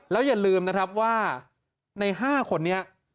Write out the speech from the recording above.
แล้วอย่าลืมนะครับว่าใน๕คนนี้